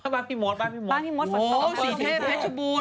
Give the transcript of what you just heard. บ้านพี่มศฝนตกบ้านพี่มศสีเทพแม็กชะบูน